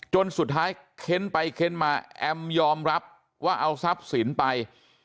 จนสุดท้ายเค้นไปเค้นมาแอมยอมรับว่าเอาทรัพย์สินไป